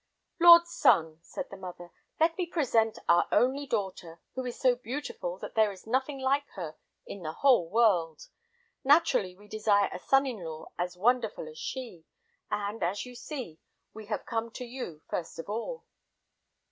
"Lord Sun," said the mother, "let me present our only daughter, who is so beautiful that there is nothing like her in the whole world. Naturally we desire a son in law as wonderful as she, and, as you see, we have come to you first of all."